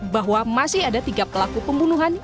bahwa masih ada tiga pelaku pembunuhan